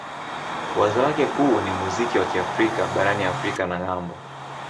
Wazo lake kuu ni muziki wa Kiafrika barani Afrika na ng'ambo.